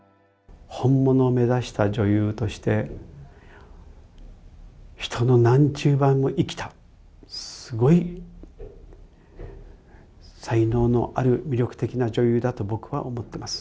本物を目指した女優として、人の何十倍も生きた、すごい才能のある魅力的な女優だと、僕は思ってます。